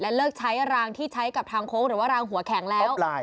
เลิกใช้รางที่ใช้กับทางโค้งหรือว่ารางหัวแข็งแล้ว